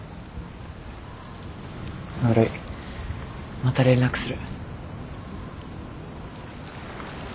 悪いまた連絡する。